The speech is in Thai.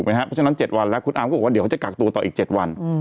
เพราะฉะนั้น๗วันแล้วคุณอาร์มก็บอกว่าเดี๋ยวเขาจะกักตัวต่ออีก๗วัน